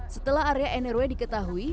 setelah area nrw diketahui